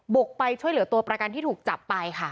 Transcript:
กไปช่วยเหลือตัวประกันที่ถูกจับไปค่ะ